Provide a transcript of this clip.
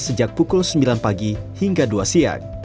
sejak pukul sembilan pagi hingga dua siang